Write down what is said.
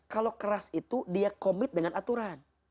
kalau keras itu dia komit dengan aturan